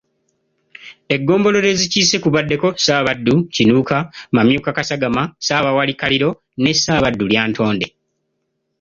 Eggombolola ezikiise kubaddeko; Ssaabaddu kinuuka, Mumyuka Kasagama, Ssaabawaali Kaliro ne Ssaabaddu Lyantonde.